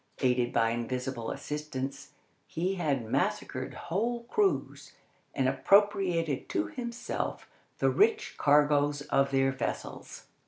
Aided by invisible assistants, he had massacred whole crews, and appropriated to himself the rich cargoes of their vessels.